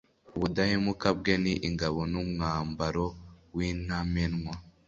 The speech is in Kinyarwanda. ubudahemuka bwe ni ingabo n’umwambaro w’intamenwa